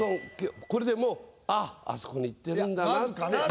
これでもう「あぁあそこに行ってるんだな」って。